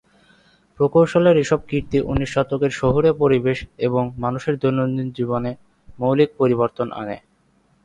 প্রকৌশলের এসব কীর্তি ঊনিশ শতকের শহুরে পরিবেশ এবং মানুষের দৈনন্দিন জীবনে মৌলিক পরিবর্তন আনে।